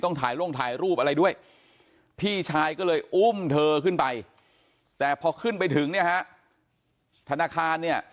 ต้องถ่ายร่วงถ่ายรูปอะไรด้วยพี่ชายก็เลยอุ้มเธอขึ้นไปแต่พอขึ้นไปถึงธนาคาร